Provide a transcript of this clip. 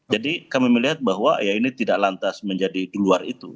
jadi kami melihat bahwa ya ini tidak lantas menjadi di luar itu